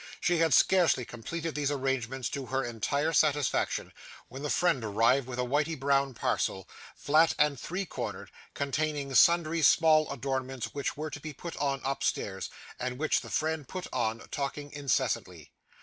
She had scarcely completed these arrangements to her entire satisfaction, when the friend arrived with a whity brown parcel flat and three cornered containing sundry small adornments which were to be put on upstairs, and which the friend put on, talking incessantly.